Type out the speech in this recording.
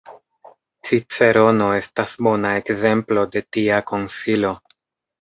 Cicerono estas bona ekzemplo de tia konsilo.